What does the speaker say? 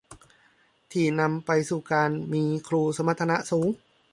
ที่นำไปสู่การมีครูสมรรถนะสูง